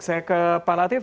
saya ke pak latif